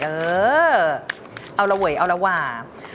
เอาละเวยเอาละว่า